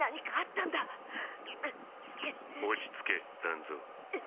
落ち着け団蔵。